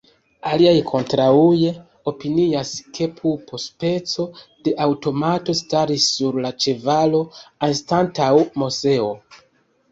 Aliaj kontraŭe opinias, ke pupo, speco de aŭtomato staris sur la ĉevalo anstataŭ Moseo.